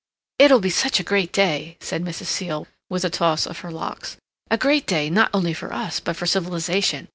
"It'll be such a great day," said Mrs. Seal, with a toss of her locks. "A great day, not only for us, but for civilization.